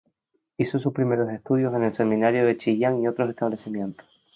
Hizo sus primeros estudios en el Seminario de Chillán y otros establecimientos.